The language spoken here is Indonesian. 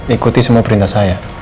ikuti semua perintah saya